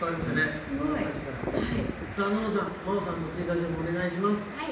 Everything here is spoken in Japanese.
暖乃さん、真桜さんの追加情報お願いします。